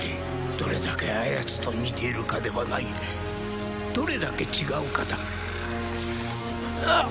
どれだけあやつと似ているかではないどれだけ違うかだあっ